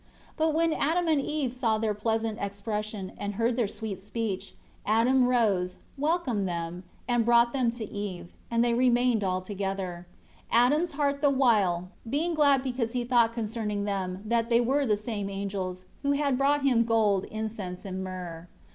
3 But when Adam and Eve saw their pleasant expression, and heard their sweet speech, Adam rose, welcomed them, and brought them to Eve, and they remained all together; Adam's heart the while, being glad because he thought concerning them, that they were the same angels, who had brought him gold, incense, and myrrh.